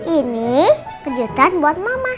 ini kejutan buat mama